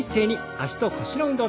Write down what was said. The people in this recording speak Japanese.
脚と腰の運動。